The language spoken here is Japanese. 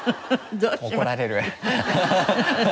怒られる。